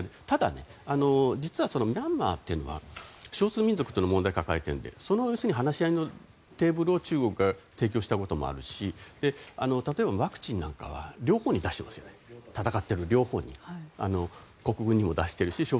ただ、実はミャンマーというのは少数民族との問題を抱えているのでその話し合いのテーブルを中国が提供したこともあるし例えば、ワクチンは戦っている両方に出しています。